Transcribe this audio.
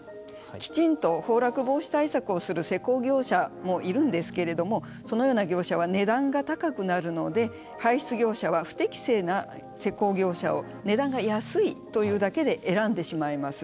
きちんと崩落防止対策をする施工業者もいるんですけれどもそのような業者は値段が高くなるので排出業者は不適正な施工業者を値段が安いというだけで選んでしまいます。